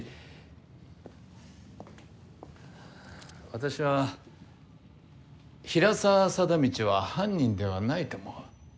私は平沢貞通は犯人ではないと思う。